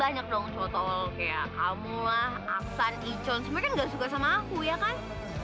banyak dong kotor kayak kamu lah aksan brother sumpah nggak suka sama aku ya kan